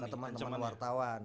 ke teman teman wartawan